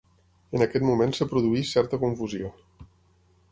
En aquest moment es produeix certa confusió.